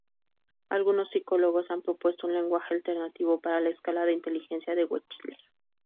Algunos psicólogos han propuesto un lenguaje alternativo para la Escala de Inteligencia de Wechsler.